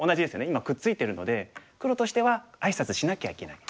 今くっついてるので黒としてはあいさつしなきゃいけない。